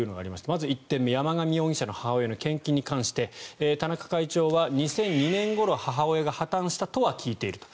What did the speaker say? まず１点目山上容疑者の母親の献金に関して田中会長は２００２年ごろ母親が破たんしたとは聞いていると。